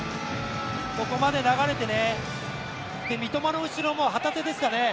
ここまで流れて、三笘の後ろ旗手ですかね。